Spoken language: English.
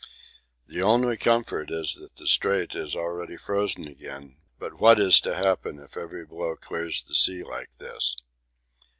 The only comfort is that the Strait is already frozen again; but what is to happen if every blow clears the sea like this?